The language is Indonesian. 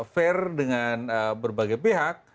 fair dengan berbagai pihak